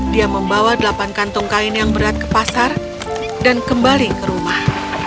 dia membawa delapan kantung kain yang berat ke pasar dan kembali ke rumah